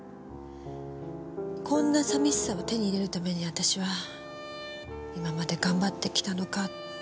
こんな寂しさを手に入れるために私は今まで頑張ってきたのか。